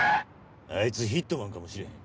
あいつヒットマンかもしれへん。